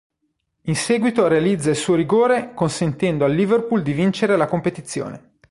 In seguito realizza il suo rigore consentendo al Liverpool di vincere la competizione.